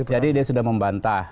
jadi dia sudah membantah